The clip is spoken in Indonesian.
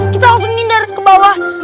kita langsung mindar ke bawah